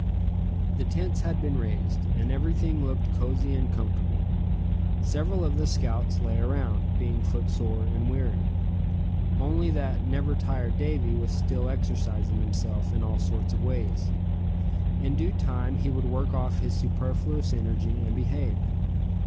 The tents had been raised, and everything looked cozy and comfortable. Several of the scouts lay around, being footsore and weary; only that never tired Davy was still exercising himself in all sorts of ways. In due time he would work off his superfluous energy, and behave.